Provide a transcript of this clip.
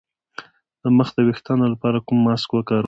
د مخ د ويښتانو لپاره کوم ماسک وکاروم؟